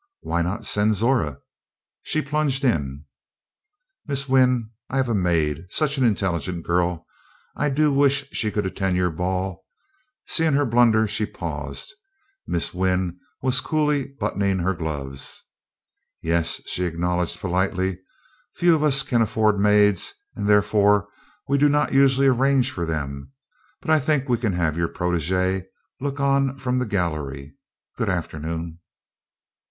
Why not send Zora? She plunged in: "Miss Wynn, I have a maid such an intelligent girl; I do wish she could attend your ball " seeing her blunder, she paused. Miss Wynn was coolly buttoning her glove. "Yes," she acknowledged politely, "few of us can afford maids, and therefore we do not usually arrange for them; but I think we can have your protégée look on from the gallery. Good afternoon."